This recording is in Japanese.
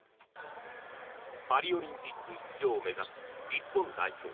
パリオリンピック出場を目指す日本代表。